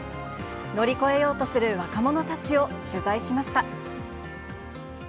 乗り越えようとする若者たちを取材しました。